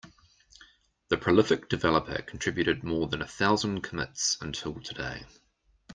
The prolific developer contributed more than a thousand commits until today.